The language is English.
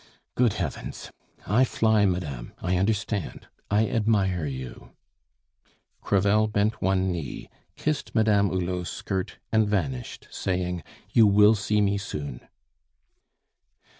"Good Heavens! I fly, madame; I understand, I admire you!" Crevel bent one knee, kissed Madame Hulot's skirt, and vanished, saying, "You will see me soon."